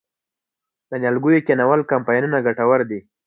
د نیالګیو کینول کمپاینونه ګټور دي؟